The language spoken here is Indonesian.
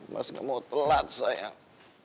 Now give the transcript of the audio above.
mas gak mau telat saya